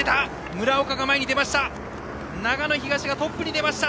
村岡が前に出ました！